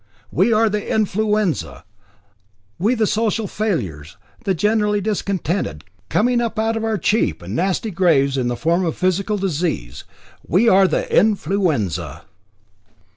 We are the Influenza; we the social failures, the generally discontented, coming up out of our cheap and nasty graves in the form of physical disease. We are the Influenza."